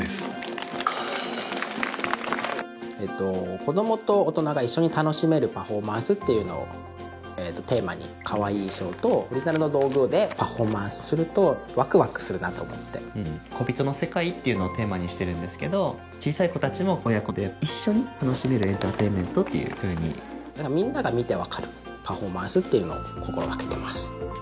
子供と大人が一緒に楽しめるパフォーマンスっていうのをテーマにかわいい衣装とオリジナルの道具でパフォーマンスするとワクワクするなと思ってこびとの世界っていうのをテーマにしてるんですけど小さい子達も親子で一緒に楽しめるエンターテインメントっていうふうにみんなが見て分かるパフォーマンスっていうのを心掛けてます